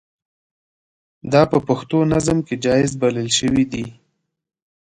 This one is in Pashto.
دا په پښتو نظم کې جائز بلل شوي دي.